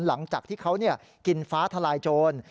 หลังจากที่เขากินฟ้าทลายโจร